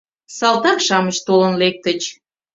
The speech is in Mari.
Салтак-шамыч толын лектыч.